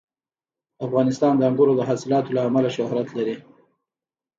افغانستان د انګورو د حاصلاتو له امله شهرت لري.